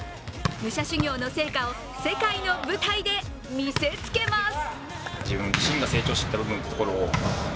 武者修行の成果を世界の舞台で見せつけます。